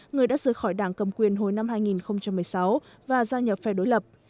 người đã rời khỏi đảng cầm quyền hồi năm hai nghìn một mươi sáu và gia nhập phe đối lập